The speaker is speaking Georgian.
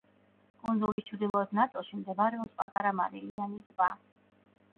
კუნძულის ჩრდილოეთ ნაწილში მდებარეობს პატარა მარილიანი ტბა.